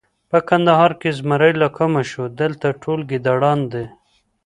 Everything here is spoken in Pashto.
په کندهار کې زمری له کومه شو! دلته ټول ګیدړان دي.